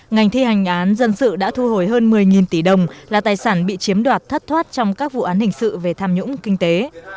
ngành thi hành án dân sự đã thu hồi hơn một mươi tỷ đồng là tài sản bị chiếm đoạt thất thoát trong các vụ án hình sự về tham nhũng kinh tế